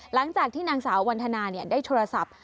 หลังจากที่นางสาววันธนาได้โทรศัพท์